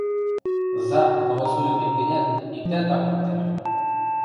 — «За» голосуйыктет гӹнят, иктӓт ак лӱктӓл ыльы.